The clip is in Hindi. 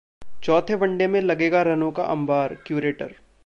चौथे वनडे में लगेगा रनों का अंबार: क्यूरेटर